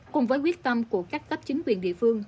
cùng với quyết tâm của các cấp chính quyền địa phương